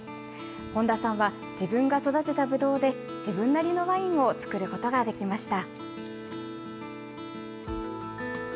本多さんは自分が育てたブドウで、自分なりのワインを造ることができました。